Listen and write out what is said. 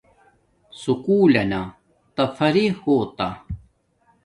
سکُول لنا تفرری ہوتا